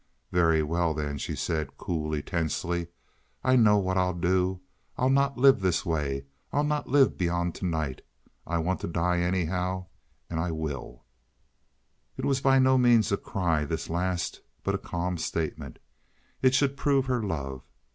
"Very well, then," she said, coolly, tensely. "I know what I'll do. I'll not live this way. I'll not live beyond to night. I want to die, anyhow, and I will." It was by no means a cry, this last, but a calm statement. It should prove her love.